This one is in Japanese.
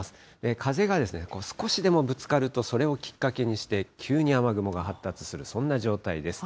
風が少しでもぶつかると、それをきっかけにして、急に雨雲が発達する、そんな状態です。